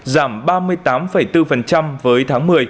giảm ba mươi tám bốn với tháng một mươi